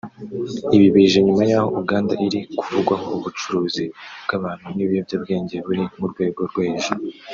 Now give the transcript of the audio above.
Ibi bije nyuma yaho Uganda iri kuvugwaho ubucuruzi bw’abantu n’ibiyobya bwenge buri mu rwego rwo hejuru